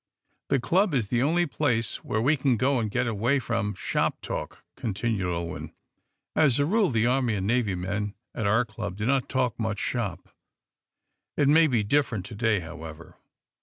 "The club is the only place where we can go and get away from shop talk," continued Ulwin. "As a rule the Army and Navy men at our club do not talk much shop. It may be different to day, however."